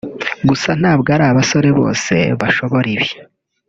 gusa ntabwo ari abasore bose bashobora ibi